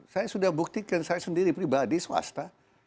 saya sudah buktikan saya sendiri pribadi swasta